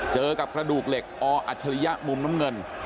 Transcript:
เจอกับกระดูกเหล็กออัจฉริยะมุมน้ำเงิน